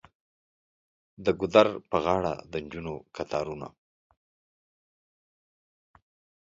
د ګودر په غاړه د نجونو کتارونه.